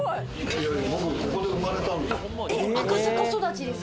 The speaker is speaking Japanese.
僕ここで生まれたんです。